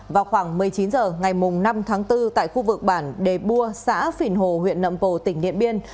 vào khoảng một mươi chín h ngày năm tháng bốn tại khu vực bản đề bua xã phìn hồ huyện nậm pồ tỉnh điện biên